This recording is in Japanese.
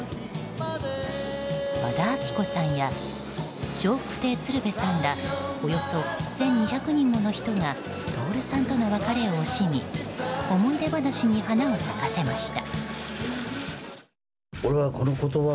和田アキ子さんや笑福亭鶴瓶さんらおよそ１２００人もの人が徹さんとの別れを惜しみ思い出話に花を咲かせました。